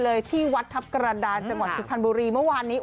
เลยที่วัสตร์ทับกระดาษจังหวัดธิภาร์บรีเมื่อวานนี้